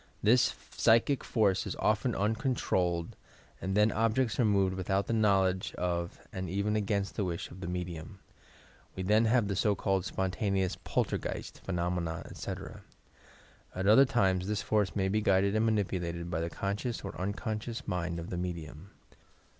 This psychic force is often un controlled and then objects are moved without the knowl edge of and even against the wish of the medium. We then have the so called spontaneous "Poltergeist" Phe nomena, etc. At other times this force may be guided and manipulated by the conscious or unconscious mind of the medium.